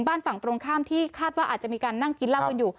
บ้านฝั่งตรงข้ามที่คาดว่าอาจจะมีการนั่งกินเหล้ากันอยู่